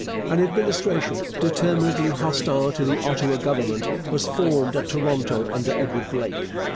An Administration, determinedly hostile to the Ottawa Government, was formed at Toronto under Edward Blake.